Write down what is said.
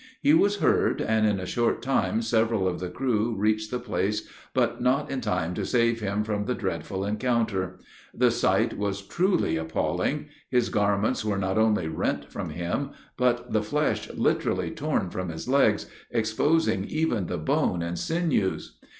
He was heard, and in a short time several of the crew reached the place, but not in time to save him from the dreadful encounter. The sight was truly appalling. His garments were not only rent from him, but the flesh literally torn from his legs, exposing even the bone and sinews.